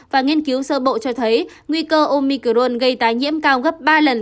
và nghiên cứu sơ bộ cho thấy nguy cơ omicron gây tái nhiễm cao gấp ba lần